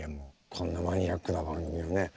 こんなマニアックな番組をね